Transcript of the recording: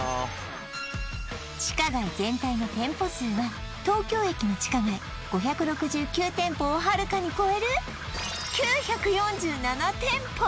地下街全体の店舗数は東京駅の地下街５６９店舗をはるかに超える９４７店舗